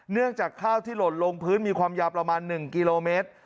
เนื่องจากข้าวที่หล่นลงพื้นมีความยาวประมาณ๑กิโลเมตร